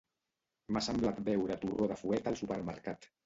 M'ha semblat veure torró de fuet al supermercat.